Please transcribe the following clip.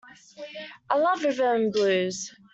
I love rhythm and blues!